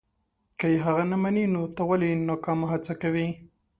که یې هغه نه مني نو ته ولې ناکامه هڅه کوې.